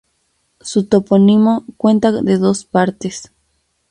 Su topónimo cuenta de dos partes.